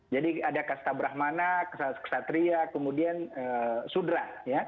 jadi ada kasta brahmana kasta ksatria kemudian sudra